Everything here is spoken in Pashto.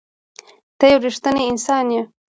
ته یو رښتنی انسان یې.